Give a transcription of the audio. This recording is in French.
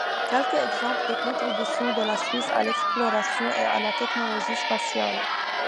Quelques exemples de contributions de la Suisse à l'exploration et à la technologie spatiale.